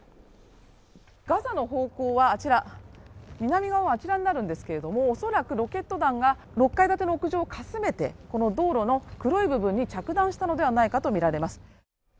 ガザの方向はあちら南側はあちらになるんですけれども恐らくロケット弾が６階建ての屋上をかすめてこの道路の黒い部分に着弾したのではないかと見られます